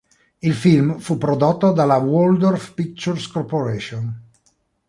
Il film fu prodotto dalla Waldorf Pictures Corporation.